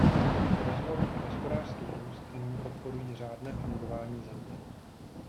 Rozvoj a hospodářský růst nyní podporují řádné fungování země.